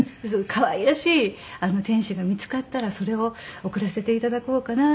可愛らしい天使が見つかったらそれを贈らせて頂こうかななんて思って。